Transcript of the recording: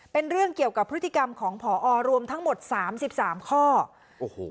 เป็นเรื่องเกี่ยวกับพฤติกรรมของผอรวมทั้งหมดสามสิบสามข้อโอ้โห